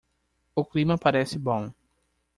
O clima parece bom.